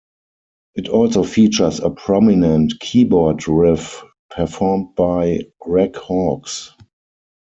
It also features a prominent keyboard riff performed by Greg Hawkes.